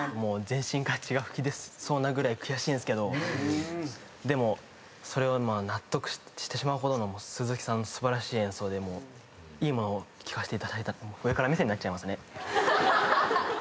全身から血が噴き出そうなぐらい悔しいんすけどでも納得してしまうほどの鈴木さんの素晴らしい演奏でいいものを聴かしていただいた上から目線になっちゃいますね。